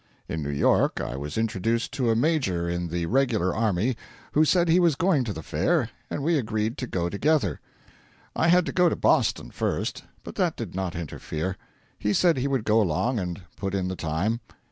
In New York I was introduced to a Major in the regular army who said he was going to the Fair, and we agreed to go together. I had to go to Boston first, but that did not interfere; he said he would go along and put in the time.